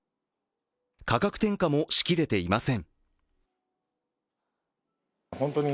価格転嫁もしきれていません。